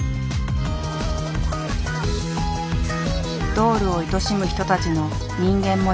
ドールをいとしむ人たちの人間模様。